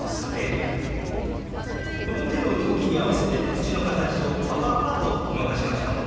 この手の動きに合わせて口の形を「パパパ」と動かしましょう。